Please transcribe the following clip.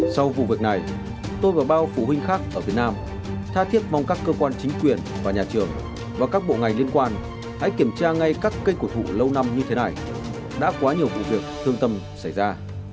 sau vụ việc này tôi và bao phụ huynh khác ở việt nam tha thiết mong các cơ quan chính quyền và nhà trường và các bộ ngành liên quan hãy kiểm tra ngay các cây cổ thụ lâu năm như thế này đã quá nhiều vụ việc thương tâm xảy ra